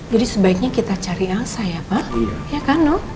jadi sebaiknya kita cari elsa ya pak